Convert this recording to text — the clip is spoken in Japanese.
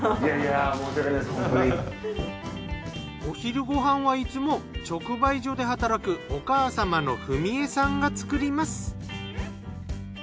お昼ご飯はいつも直売所で働くお母様の富美江さんが作ります。